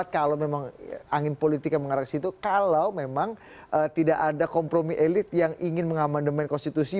kalau memang angin politik yang mengarah ke situ kalau memang tidak ada kompromi elit yang ingin mengamandemen konstitusi